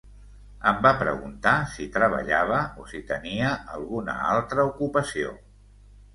Em va preguntar si treballava o si tenia alguna altra ocupació.